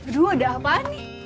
aduh ada apaan nih